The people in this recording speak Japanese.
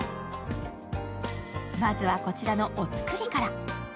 まずは、こちらのお造りから。